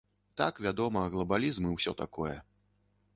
Так, вядома, глабалізм і ўсё такое.